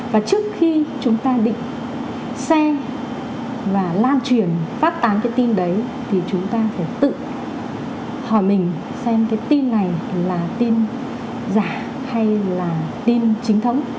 nếu chúng ta muốn xem và lan truyền phát tán cái tin đấy thì chúng ta phải tự hỏi mình xem cái tin này là tin giả hay là tin chính thống